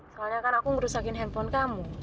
soalnya kan aku merusakin handphone kamu